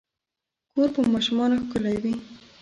کور په ماشومانو ښکلے وي